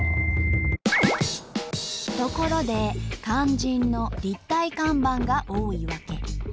ところで肝心の立体看板が多い訳。